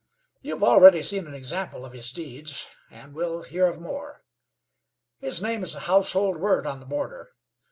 You have already seen an example of his deeds, and will hear of more. His name is a household word on the border.